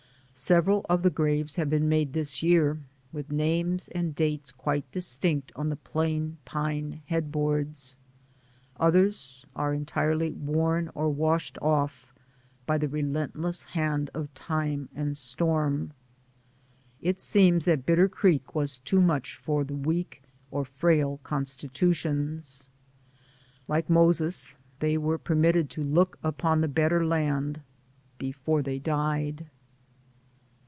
Several of the graves have been made this year, with names and dates quite dis tinct on the plain pine headboards. Others are entirely worn or washed off by the re DAYS ON THE ROAD. 205 lentless hand of time and storm. It seems that Bitter Creek was too much for the weak or frail constitutions. Like Moses, they were permitted to look upon the better land before they died.